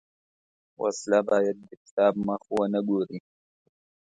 وسله باید د کتاب مخ ونه ګوري